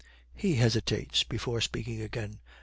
He hesitates before speaking again.